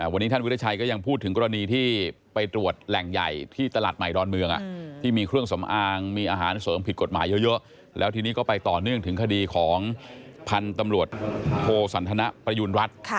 วันนี้ท่านวิทยาชัยก็ยังพูดถึงกรณีที่ไปตรวจแหล่งใหญ่ที่ตลาดใหม่ดอนเมืองที่มีเครื่องสำอางมีอาหารเสริมผิดกฎหมายเยอะแล้วทีนี้ก็ไปต่อเนื่องถึงคดีของพันธุ์ตำรวจโทสันทนประยุณรัฐ